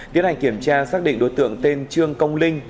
tiến hành kiểm tra xác định đối tượng tên trương công linh